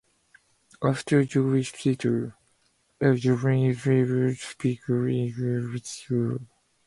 After Julia Fischer, the Japanese violinist Shunske Sato played the instrument.